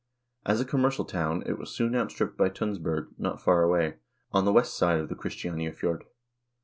As a commercial town it was soon outstripped by Tunsberg, not far away, on the west side of the Chris tianiafjord.